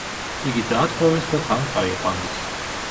იგი დაატყვევეს და თან წაიყვანეს.